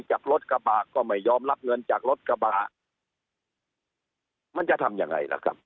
จากรถกระบะก็ไม่ยอมรับเงินจากรถกระบะมันจะทำยังไงล่ะครับ